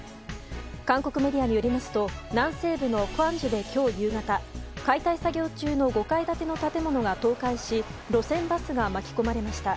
韓国メディアによりますと南西部のクァンジュで今日夕方、解体作業中の５階建ての建物が倒壊し路線バスが巻き込まれました。